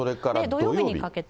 土曜日にかけて。